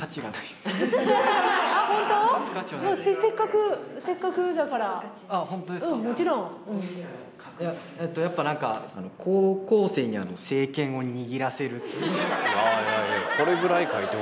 でも、せっかくだから。いや、やっぱなんか「高校生に政権を握らせる」っていう。